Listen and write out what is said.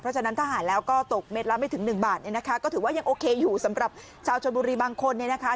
เพราะฉะนั้นทหารแล้วก็ตกเม็ดละไม่ถึงหนึ่งบาทเนี่ยนะคะก็ถือว่ายังโอเคอยู่สำหรับชาวชนบุรีบางคนเนี่ยนะคะ